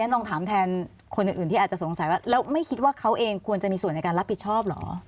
ลองถามแทนคนอื่นที่อาจจะสงสัยว่าแล้วไม่คิดว่าเขาเองควรจะมีส่วนในการรับผิดชอบเหรอ